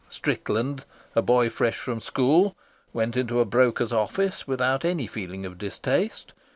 Strickland, a boy fresh from school, went into a broker's office without any feeling of distaste.